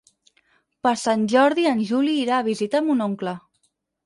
Per Sant Jordi en Juli irà a visitar mon oncle.